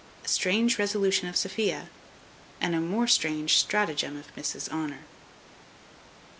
A strange resolution of Sophia, and a more strange stratagem of Mrs Honour.